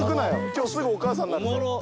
今日すぐお母さんになるぞ。